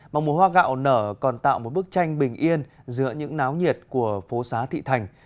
mà mùa hoa gạo nở còn tạo một bức tranh bình yên giữa những náo nhiệt của phố xá thị thành